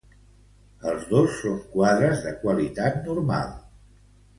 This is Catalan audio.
Els dos són quadres de qualitat normal.